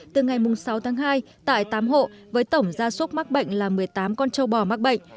từ ngày sáu tháng hai tại tám hộ với tổng gia súc mắc bệnh là một mươi tám con châu bò mắc bệnh